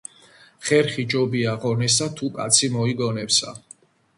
ხერხი ჯობია ღონესა, თუ კაცი მოიგონებსა.